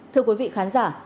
thưa quý vị khán giả